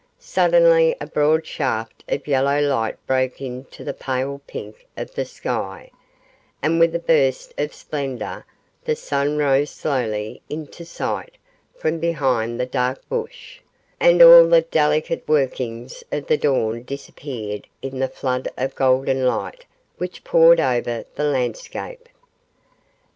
Suddenly a broad shaft of yellow light broke into the pale pink of the sky, and with a burst of splendour the sun rose slowly into sight from behind the dark bush, and all the delicate workings of the dawn disappeared in the flood of golden light which poured over the landscape.